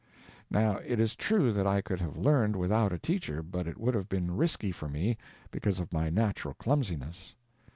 Now it is true that I could have learned without a teacher, but it would have been risky for me, because of my natural clumsiness.